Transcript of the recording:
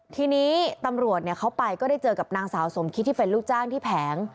ทีนี้ตำรวจเขาไปก็ได้เจอกับนางสาวสมคิดที่เป็นลูกจ้างที่แผง